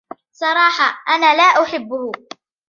صراحة ، أنا لا أحبه.